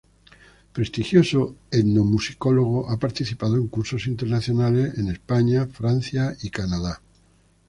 Prestigioso etnomusicólogo, ha participado en cursos internacionales en España, Francia y Canadá.